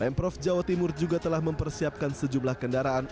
pemprov jawa timur juga telah mempersiapkan sejumlah kendaraan